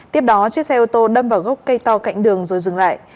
tiếp đó chiếc xe ô tô đâm vào gốc cây to cạnh đường rồi dừng lại